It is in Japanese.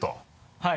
はい。